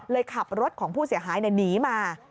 ขับรถของผู้เสียหายหนีมา